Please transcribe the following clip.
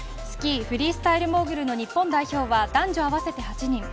スキーフリースタイルモーグルの日本代表は男女合わせて８人。